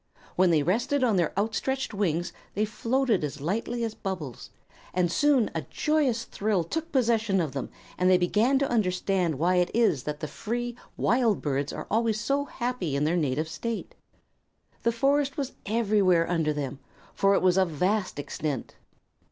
When they rested on their outstretched wings they floated as lightly as bubbles, and soon a joyous thrill took possession of them and they began to understand why it is that the free, wild birds are always so happy in their native state. The forest was everywhere under them, for it was of vast extent.